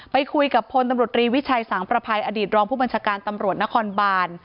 ไปคุยกับพลตำรวจรีวิชัยสังประภัยอดีตรองผู้บัญชาการตำรวจนครบาน